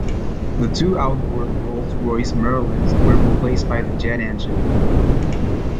The two outboard Rolls-Royce Merlins were replaced by the jet engine.